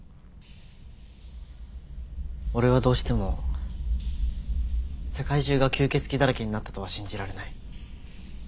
俺はどうしても世界中が吸血鬼だらけになったとは信じられない。